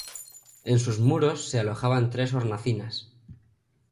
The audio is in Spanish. En sus muros se alojaban tres hornacinas.